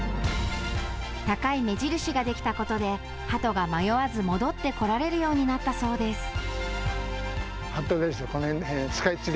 高い目印ができたことではとが迷わず戻ってこられるようになったそうです。